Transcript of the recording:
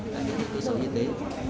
để đạt được kỹ sức y tế